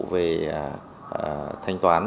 về thanh toán